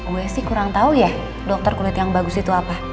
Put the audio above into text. gue sih kurang tahu ya dokter kulit yang bagus itu apa